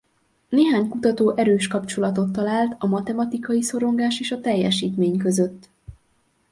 Néhány kutató erős kapcsolatot talált a matematikai szorongás és a teljesítmény között.